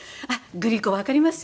グリコわかります